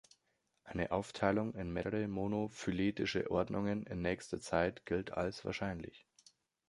Eine Aufteilung in mehrere monophyletische Ordnungen in nächster Zeit gilt als wahrscheinlich.